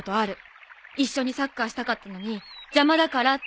一緒にサッカーしたかったのに邪魔だからって。